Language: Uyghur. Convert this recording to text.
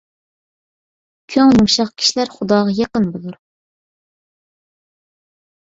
كۆڭلى يۇمشاق كىشىلەر خۇداغا يېقىن بولۇر.